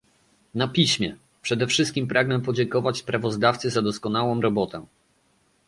na piśmie - Przede wszystkim pragnę podziękować sprawozdawcy za doskonałą robotę